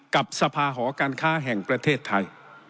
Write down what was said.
กับสภาหอการค้าแห่งประเทศไทย